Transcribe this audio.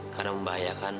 karena membayar jantungan